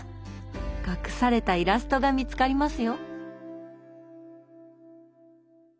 隠されたイラストが見つかりますよ。